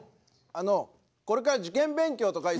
あのこれから受験勉強とか忙し。